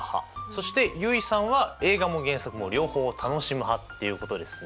そして結衣さんは映画も原作も両方楽しむ派っていうことですね。